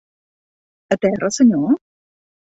A terra, senyor?